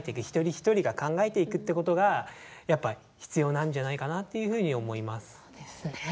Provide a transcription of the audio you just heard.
一人一人が考えていくってことがやっぱ必要なんじゃないかなっていうふうに思います。